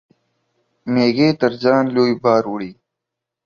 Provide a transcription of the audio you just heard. مېږى تر ځان لوى بار وړي.